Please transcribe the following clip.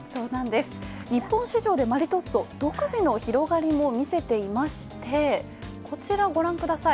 日本市場でマリトッツォ、独自の広がりを見せていまして、こちらご覧ください。